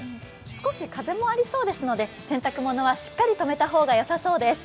少し風もありそうですので洗濯物はしっかりとめた方がよさそうです。